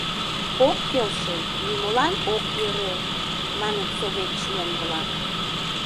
— Ок келше, нимолан ок йӧрӧ, — маныт совет член-влак.